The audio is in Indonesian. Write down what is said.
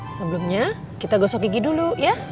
sebelumnya kita gosok gigi dulu ya